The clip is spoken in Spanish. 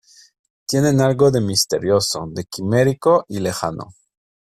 tienen algo de misterioso, de quimérico y lejano